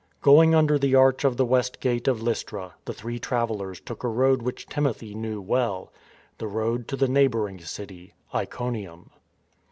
Going under the arch of the west gate of Lystra, the three travellers took a road which Timothy knew well — the road to the neighbouring city — Iconium.